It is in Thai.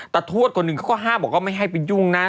จะทวดคนหนึ่งก็ฮาบบอกว่าไม่ให้ไปยุ่งนะ